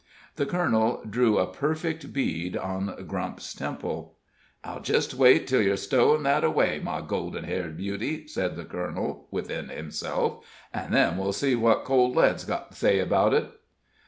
The colonel drew a perfect bead on Grump's temple. "I'll jest wait till you're stowin' that away, my golden haired beauty," said the colonel, within himself, "an' then we'll see what cold lead's got to say about it."